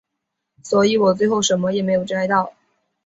所以我最后什么都没有摘到